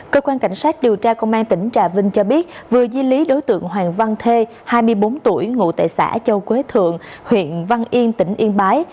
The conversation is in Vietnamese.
cơ quan cảnh sát điều tra công an tỉnh trà vinh cho biết vừa di lý đối tượng hoàng văn thê hai mươi bốn tuổi ngụ tại xã châu quế thượng huyện văn yên tỉnh yên bái